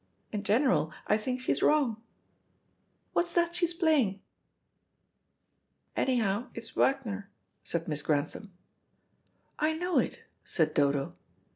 In general, I think, she's wrong. What's that she's playing?" "Anyhow, it's Wagner," said Miss Grantham. "I know it," said Dodo.